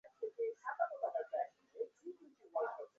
তিনি রোমে গিয়ে বসবাস করেন।